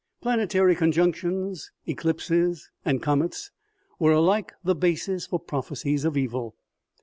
Planetary conjunctions, eclipses and comets were alike the basis for prophecies of evil.